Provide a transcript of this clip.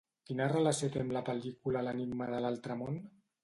Quina relació té amb la pel·lícula L'enigma de l'altre món?